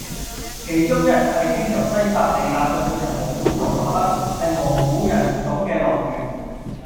其中一系經由西伯利亞再進入蒙古同華北，係蒙古人種嘅來源